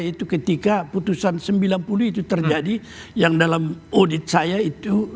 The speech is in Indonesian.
itu ketika putusan sembilan puluh itu terjadi yang dalam audit saya itu